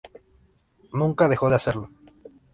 Nunca dejó de hacerlo.